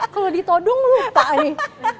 kalau ditodong lupa nih